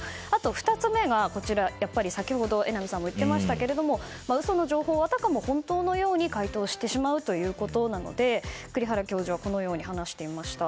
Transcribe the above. ２つ目は先ほど榎並さんも言っていましたが嘘の情報をあたかも本当のように回答してしまうということなので栗原教授はこのように話していました。